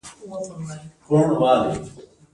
په فرانسه او جاپان کې د انقلابونو پروسه ولیده.